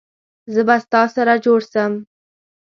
زه به ستا سره جوړ سم